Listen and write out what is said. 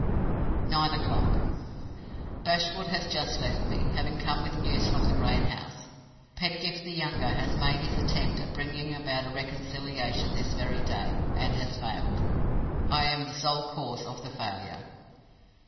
"Nine o'clock. Bashwood has just left me, having come with news from the great house. Pedgift the younger has made his attempt at bringing about a reconciliation this very day, and has failed. I am the sole cause of the failure.